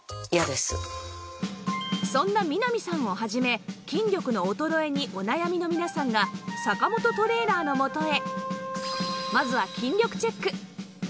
そんな南さんを始め筋力の衰えにお悩みの皆さんが坂本トレーナーの元へ